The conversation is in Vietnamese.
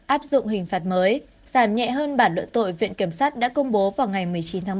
áp dụng hình phạt mới giảm nhẹ hơn bản luận tội viện kiểm sát đã công bố vào ngày một mươi chín tháng bảy